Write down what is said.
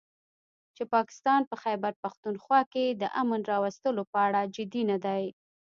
چې پاکستان په خيبرپښتونخوا کې د امن راوستلو په اړه جدي نه دی